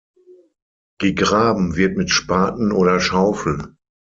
Gegraben wird mit Spaten oder Schaufel.